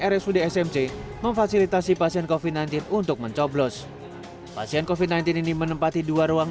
rsud smc memfasilitasi pasien kofi sembilan belas untuk mencoblos pasien kofit sembilan belas ini menempati dua ruang